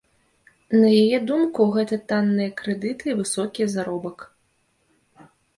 На яе думку, гэта танныя крэдыты і высокі заробак.